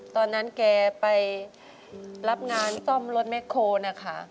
ตอนนั้นแกไปรับงานซ่อมรถแคลนะคะ